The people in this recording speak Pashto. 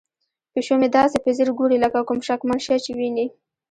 پیشو مې داسې په ځیر ګوري لکه کوم شکمن شی چې ویني.